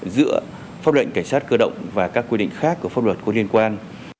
giữa pháp lệnh cảnh sát cơ động và các quy định khác của pháp luật có liên quan